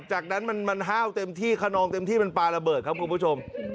จากนั้นมันห้าวเต็มที่ขนองเต็มที่มันปลาระเบิดครับคุณผู้ชม